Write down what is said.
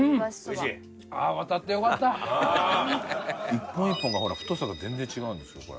１本１本がほら太さが全然違うんですよこれ。